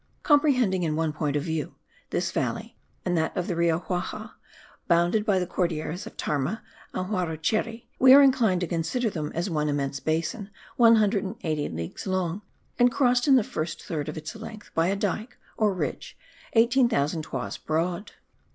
Comprehending in one point of view, this valley, and that of the Rio Jauja, bounded by the Cordilleras of Tarma and Huarocheri, we are inclined to consider them as one immense basin 180 leagues long, and crossed in the first third of its length, by a dyke, or ridge 18,000 toises broad.